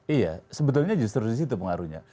iya sebetulnya justru disitu pengaruhnya